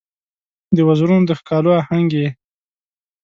د وزرونو د ښکالو آهنګ یې